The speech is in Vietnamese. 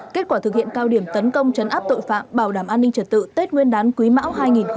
kết quả thực hiện cao điểm tấn công chấn áp tội phạm bảo đảm an ninh trật tự tết nguyên đán quý mão hai nghìn hai mươi ba